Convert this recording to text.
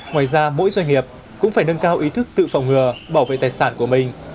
ngoài ra mỗi doanh nghiệp cũng phải nâng cao ý thức tự phòng ngừa bảo vệ tài sản của mình